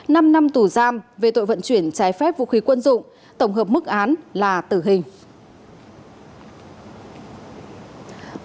năm năm tù giam về tội vận chuyển trái phép vũ khí quân dụng tổng hợp mức án là tử hình